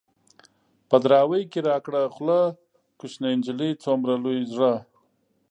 په دراوۍ کې را کړه خوله ـ کوشنۍ نجلۍ څومره لوی زړه